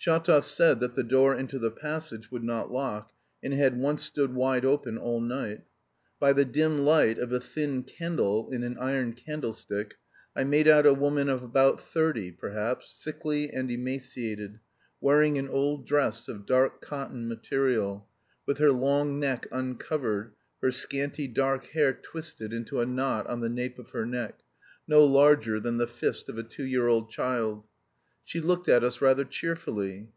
Shatov said that the door into the passage would not lock and it had once stood wide open all night. By the dim light of a thin candle in an iron candlestick, I made out a woman of about thirty, perhaps, sickly and emaciated, wearing an old dress of dark cotton material, with her long neck uncovered, her scanty dark hair twisted into a knot on the nape of her neck, no larger than the fist of a two year old child. She looked at us rather cheerfully.